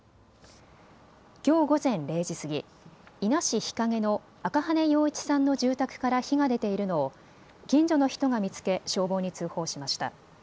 きょう午前０時過ぎ伊那市日影の赤羽洋一さんの住宅から火が出ているのを近所の人が見つけ消防に通報しました。